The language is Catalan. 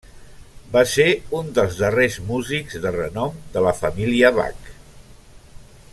Va ser un dels darrers músics de renom de la família Bach.